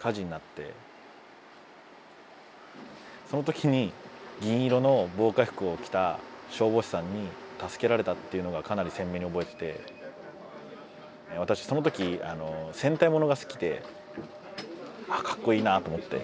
火事になってその時に銀色の防火服を着た消防士さんに助けられたっていうのがかなり鮮明に覚えてて私その時戦隊モノが好きでああかっこいいなと思って。